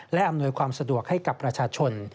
และอำนวยความสะดวกให้กับประชาชน